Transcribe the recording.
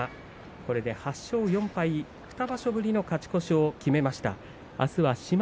これで８勝４敗で２場所ぶりの勝ち越しを決めました。